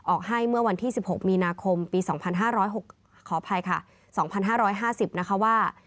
ออกให้เมื่อวันที่๑๖มีนาคมปี๒๕๕๐นะคะว่า